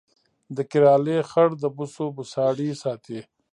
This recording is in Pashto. د کرهالې خړ د بوسو بوساړې ساتي